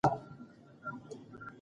د تمدن ساتنه زموږ د ټولو شریک مسؤلیت دی.